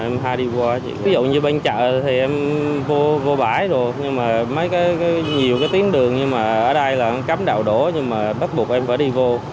mấy cái nhiều cái tuyến đường nhưng mà ở đây là cấm đảo đổ nhưng mà bắt buộc em phải đi vô